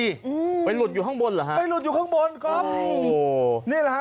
อืมไปหลุดอยู่ข้างบนเหรอฮะไปหลุดอยู่ข้างบนก๊อฟโอ้โหนี่แหละฮะ